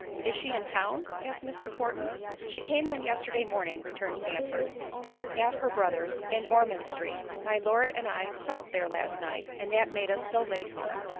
"Is she in town?" asked Mrs. Horton. "She came yesterday morning," returned Sandford, "and is at her brother's, in Ormond street; my Lord and I supped there last night, and that made us so late home."